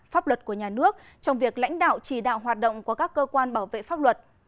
pháp luật của nhà nước trong việc lãnh đạo chỉ đạo hoạt động của các cơ quan bảo vệ pháp luật